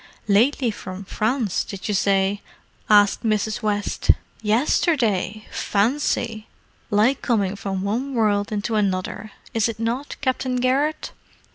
"Lately from France, did you say?" asked Mrs. West. "Yesterday! Fancy! Like coming from one world into another, is it not, Captain Garrett?